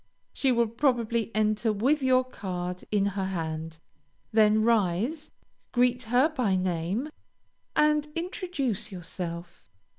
She will probably enter with your card in her hand; then rise, greet her by name, and introduce yourself.